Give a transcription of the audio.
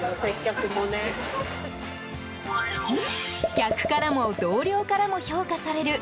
客からも同僚からも評価される